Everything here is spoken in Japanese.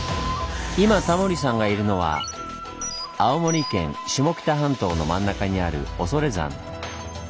今タモリさんがいるのは青森県下北半島の真ん中にある恐山。